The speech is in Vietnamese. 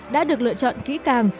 đã được lựa chọn kỹ càng